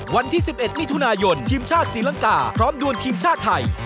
วันที่๑๑มิถุนายนทีมชาติศรีลังกาพร้อมดวนทีมชาติไทย